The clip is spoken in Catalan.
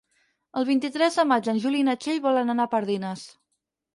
El vint-i-tres de maig en Juli i na Txell volen anar a Pardines.